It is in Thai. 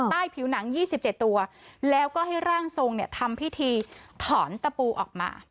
ใต้ผิวหนังยี่สิบเจ็ดตัวแล้วก็ให้ร่างทรงเนี่ยทำพิธีถอนตะปูออกมา